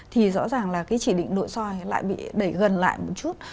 thì rõ ràng là cái chỉ định nội soi lại bị đẩy gần lại một chút